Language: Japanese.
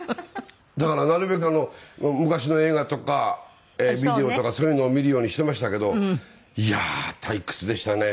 だからなるべく昔の映画とかビデオとかそういうのを見るようにしてましたけどいやー退屈でしたね。